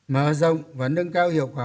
mở rộng và nâng cao hiệu quả